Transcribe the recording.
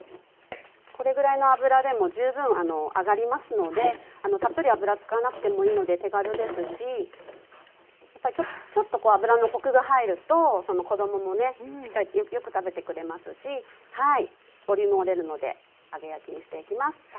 これぐらいの油でも十分揚がりますのでたっぷり油使わなくてもいいので手軽ですしちょっとこう油のコクが入ると子供もねよく食べてくれますしボリュームも出るので揚げ焼きにしていきます。